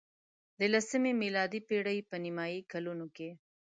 د لسمې میلادي پېړۍ په نیمايي کلونو کې.